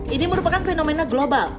ini merupakan fenomena global